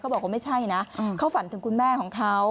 บอกว่าไม่ใช่นะเขาฝันถึงคุณแม่ของเขา